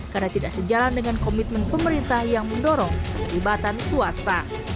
karena tidak sejalan dengan komitmen pemerintah yang mendorong perlibatan swasta